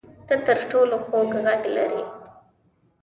ته تر ټولو خوږ غږ لرې